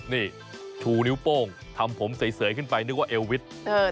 นี่ชูนิ้วโป้งทำผมเสยขึ้นไปนึกว่าเอลวิทย์